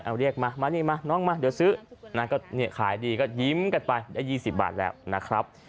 เอาเรียกมามานี่มาน้องมาเดี๋ยวซื้อนะก็ขายดีก็ยิ้มกันไปได้๒๐บาทแล้วนะครับ